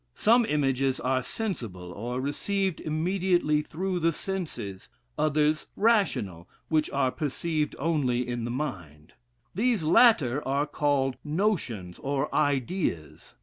Some images are sensible, or received immediately through the senses; others rational, which are perceived only in the mind. These latter are called notions, or ideas.